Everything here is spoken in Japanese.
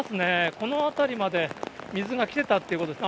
この辺りまで水が来てたってことですね。